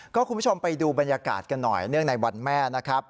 คุณผู้ชมไปดูบรรยากาศกันหน่อยเนื่องในวันแม่นะครับ